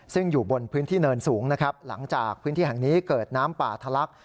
ซึ่งอยู่บนพื้นที่เนินสูงนะครับหลังจากพื้นที่แห่งนี้เกิดน้ำป่าทะลัก